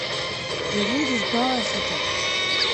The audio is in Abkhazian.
Илыдызбалахьада!